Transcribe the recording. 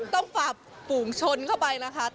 ฝากฝูงชนเข้าไปนะคะ